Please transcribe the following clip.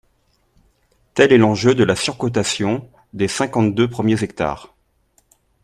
Tel est l’enjeu de la surcotation des cinquante-deux premiers hectares